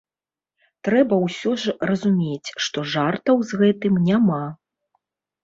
Трэба ўсё ж разумець, што жартаў з гэтым няма.